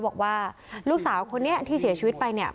บอกว่าลูกสาวคนนี้ที่เสียชีวิตไปเนี่ย